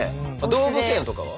動物園とかは？